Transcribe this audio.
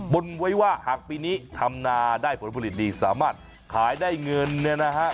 บนไว้ว่าหากปีนี้ทำนาได้ผลผลิตดีสามารถขายได้เงินเนี่ยนะฮะ